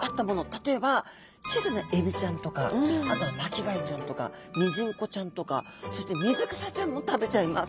例えば小さなエビちゃんとかあとは巻貝ちゃんとかミジンコちゃんとかそして水草ちゃんも食べちゃいます。